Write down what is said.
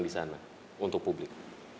di sana untuk publik